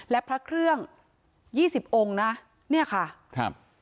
และพระเครื่องยี่สิบองค์นะเนี่ยค่ะครับ